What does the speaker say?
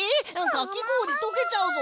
かきごおりとけちゃうぞ。